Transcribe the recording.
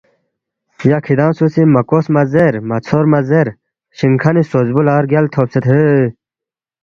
”یا کِھدانگ سُو سی مہ کوس مہ زیر، مہ ژھور مہ زیر، شِنگ کھنی خسوس بُو لہ رگیل تھوبسید ہے